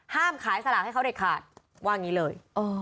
ห้ามขายสลากให้เขาเด็ดขาดว่างี้เลย